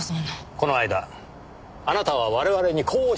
この間あなたは我々にこうおっしゃいました。